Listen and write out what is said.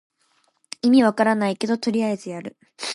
意味わかんないけどとりあえずやる